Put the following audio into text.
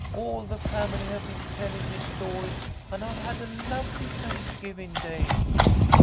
All the family have been tellin' me stories, and I've had a lovely Thanksgiving Day."